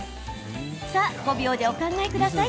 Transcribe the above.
さあ、５秒でお考えください。